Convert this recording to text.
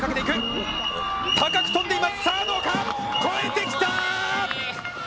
越えてきた！